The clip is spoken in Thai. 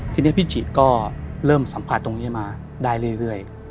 ทีนี้พี่จิก็เริ่มสัมผัสตรงนี้มาได้เรื่อย